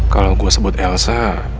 kalau gue sebut elsa